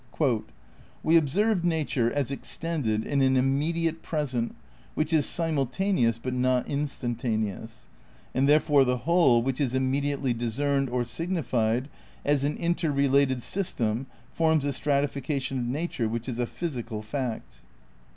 "We observe nature as extended in an immediate present which is simultaneous but not instantaneous, and therefore the whole which is immediately discerned or signified as an inter related system forms a stratification of nature which is a physical fact."